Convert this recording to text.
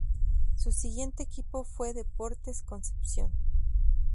Su siguiente equipo fue Deportes Concepción.